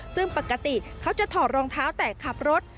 ซึ่งปกติเขาจะถอดรองเท้าแต่ขับรถ